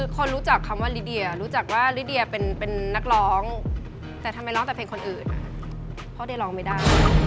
คนรู้จักคำว่าลิเดียรู้จักว่าลิเดียเป็นนักร้องแต่ทำไมร้องแต่เพลงคนอื่นพ่อเดียร้องไม่ได้